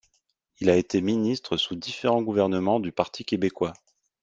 Il a été ministre sous différents gouvernements du Parti québécois.